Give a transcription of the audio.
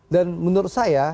dan menurut saya